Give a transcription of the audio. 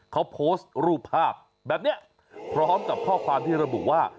เขาโพสต์รูปภาพแบบนี้พร้อมกับข้อความที่ระบุว่า